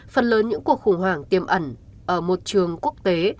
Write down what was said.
phần lớn những cuộc khủng hoảng tiềm ẩn ở một trường quốc tế